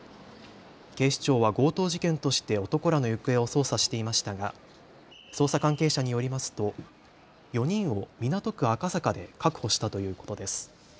警視庁は強盗事件として男らの行方を捜査していましたが捜査関係者によりますと４人を港区赤坂で確保したということです。